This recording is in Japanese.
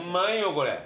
これ。